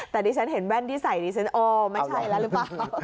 แต่ดิฉันเห็นแว่นที่ใส่ดิฉันโอ้ไม่ใช่แล้วหรือเปล่า